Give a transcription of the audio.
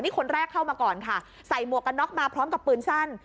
นี่คนแรกเข้ามาก่อนค่ะใส่หมวกกันน็อกมาพร้อมกับปืนสั้น